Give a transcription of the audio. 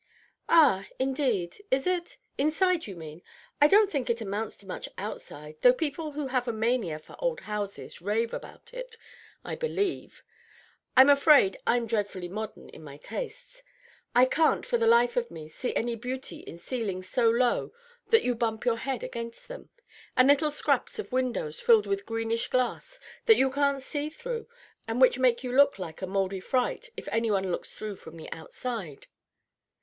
"Ah, indeed, is it? Inside, you mean. I don't think it amounts to much outside, though people who have a mania for old houses rave about it, I believe. I'm afraid I'm dreadfully modern in my tastes. I can't, for the life of me, see any beauty in ceilings so low that you bump your head against them, and little scraps of windows filled with greenish glass that you can't see through, and which make you look like a mouldy fright, if any one looks through from the outside."